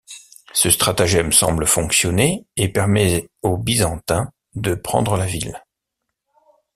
Ce stratagème semble fonctionner et permet aux Byzantins de prendre la ville.